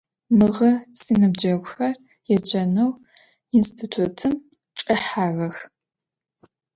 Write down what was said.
Mığe sinıbceğuxer yêceneu yinstitutım çç'ehağex.